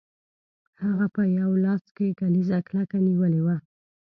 هغه په یو لاس کې کلیزه کلکه نیولې وه